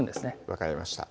分かりました